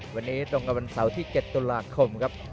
วันนี้ตรงกับวันเสาร์ที่๗ตุลาคมครับ